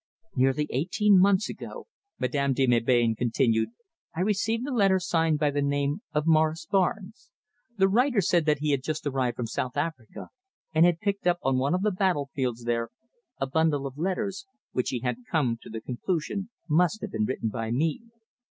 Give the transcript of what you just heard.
"Nearly eighteen months ago," Madame de Melbain continued, "I received a letter signed by the name of Morris Barnes. The writer said that he had just arrived from South Africa, and had picked up on one of the battlefields there a bundle of letters, which he had come to the conclusion must have been written by me.